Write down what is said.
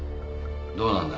どうなんだ。